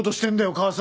母さん。